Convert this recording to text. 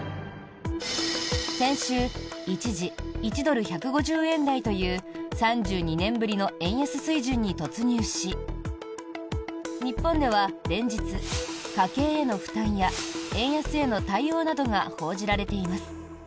先週、一時１ドル＝１５０円台という３２年ぶりの円安水準に突入し日本では連日、家計への負担や円安への対応などが報じられています。